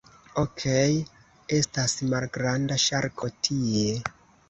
Okej, estas malgranda ŝarko tie...